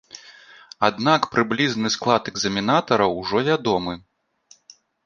Аднак прыблізны склад экзаменатараў ужо вядомы.